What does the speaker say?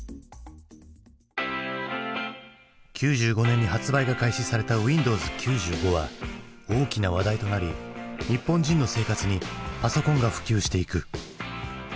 ９５年に発売が開始された「Ｗｉｎｄｏｗｓ９５」は大きな話題となり日本人の生活にパソコンが普及していく。